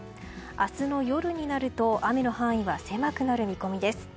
明日の夜になると雨の範囲は狭くなる見込みです。